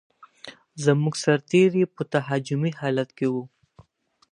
زموږ سرتېري په تهاجمي حالت کې و.